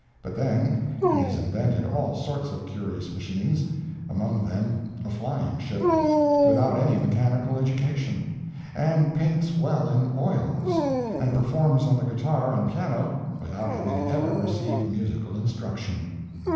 But then he has invented all sorts of curious machines (among them a flying ship,) without any mechanical education, and paints well in oils, and performs on the guitar and piano without having ever received musical instruction.